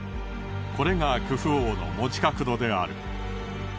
これがクフ王の持ち角度である。